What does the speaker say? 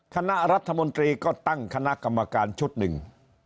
คณะรัฐมนตรีก็ตั้งคณะกรรมการชุดหนึ่ง